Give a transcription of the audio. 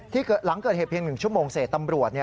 หลังเกิดเหตุเพียง๑ชั่วโมงเสร็จตำรวจ